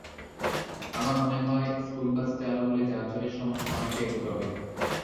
আমার মনে হয়, স্কুলবাস চালু হলে যানজটের সমস্যা অনেকটাই দূর হবে।